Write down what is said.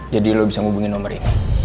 jadi lo bisa hubungi nomor ini